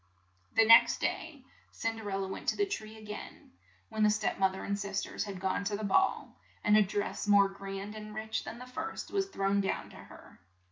The next day, Cin der el la went to the tree a gain, when the step moth er and sis ters had gone to the ball, and a dress more grand and rich than the first was thrown down to her.